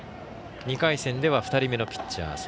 ２回戦では２人目のピッチャー。